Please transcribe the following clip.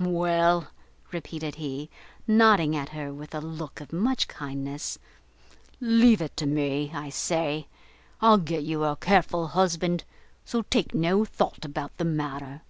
"Well," repeated he, nodding at her, with a look of much kindness, "leave it to me, I say; I'll get you a careful husband, so take no thought about the matter."